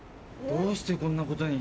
どうしてこんなことに。